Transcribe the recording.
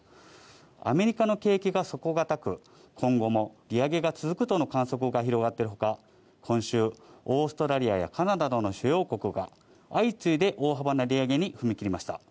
アメリカの景気が底堅く、今後も利上げが続くとの観測が広がっているほか、今週、オーストラリアやカナダなどの主要国が相次いで大幅な利上げに踏み切りました。